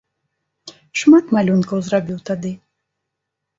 Шмат малюнкаў зрабіў тады.